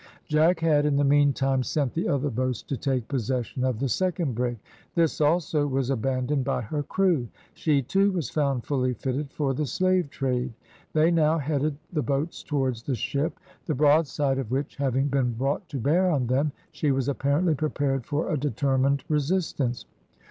Jack had, in the meantime, sent the other boats to take possession of the second brig. This also was abandoned by her crew. She, too, was found fully fitted for the slave trade. They now headed the boats towards the ship, the broadside of which having been brought to bear on them, she was apparently prepared for a determined resistance.